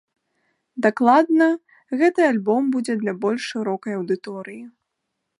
Дакладна, гэты альбом будзе для больш шырокай аўдыторыі.